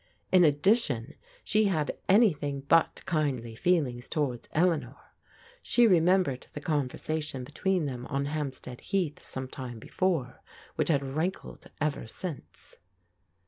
In addition, she had anything but kindly feelings towards Eleanor. She remembered the conversation between them on Hampstead Heath some time before, which had rankled ever since.